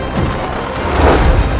itu adalah kehormatan untukku